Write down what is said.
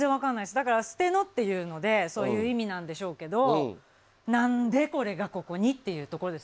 だから捨てのっていうのでそういう意味なんでしょうけど何でこれがここにっていうところです。